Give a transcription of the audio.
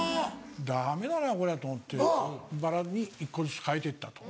ダメだなこりゃと思ってバラに１個ずつ変えていったと。